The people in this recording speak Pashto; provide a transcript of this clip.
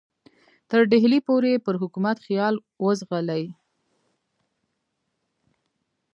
تر ډهلي پورې یې پر حکومت خیال وځغلي.